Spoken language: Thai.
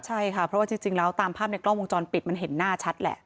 ใช่ค่ะเพราะว่าจริงแล้วตามภาพในกล้องวงจรปิดมันเห็นหน้าชัดแหละ